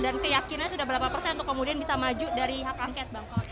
dan keyakinannya sudah berapa persen untuk kemudian bisa maju dari hak angkat bang